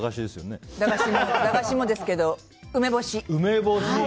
駄菓子もですけど梅干し！